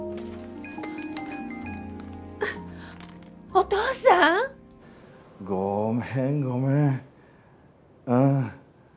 お父さん⁉ごめんごめんうん。